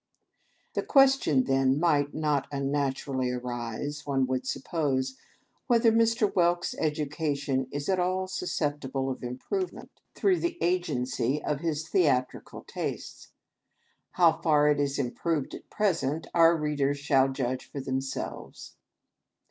The question, then, might not unnaturally arise, one would suppose, whether Mr. Whelks' education is at all susceptible of improvement, through the agency of his 160 THE AMtrSEMENTS OP THE PEOPLE. theatrical tastes. How far it is improved at present, our readers shall judge for themselves.